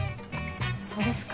そうですか